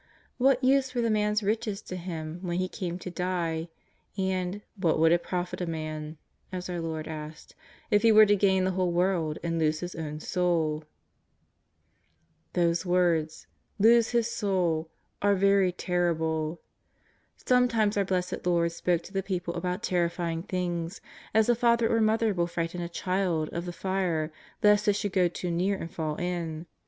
What use were the man's riches to him when he came to die, and '' what would it profit a man," as our Lord asked, '^ if he w^ere to gain the whole world and lose his own soul ?" Those words, " lose his soul," are very terrible. Sometimes our Blessed Lord spoke to the people about terrifying things, as a father or mother will frighten a child of the fire lest it should go too near and fall in.